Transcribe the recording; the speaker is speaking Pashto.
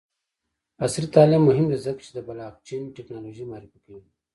عصري تعلیم مهم دی ځکه چې د بلاکچین ټیکنالوژي معرفي کوي.